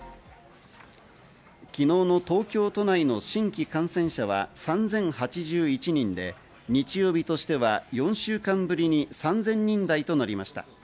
昨日の東京都内の新規感染者は３０８１人で、日曜日としては４週間ぶりに３０００人台となりました。